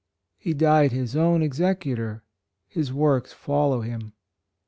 He died his own executor — his works follow him.